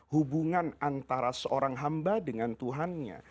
hubungan antara seorang hamba dengan tuhannya